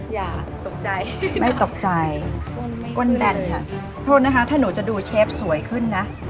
อย่าตกใจไม่ตกใจก้นแบนค่ะโทษนะคะถ้าหนูจะดูเชฟสวยขึ้นนะ